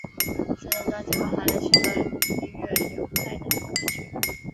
这张专辑包含了许多音乐流派的歌曲。